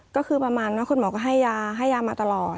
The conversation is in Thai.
ก็คือประมาณว่าคุณหมอก็ให้ยาให้ยามาตลอด